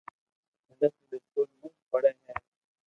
انڌس پبلڪ اسڪول مون پڙي ھي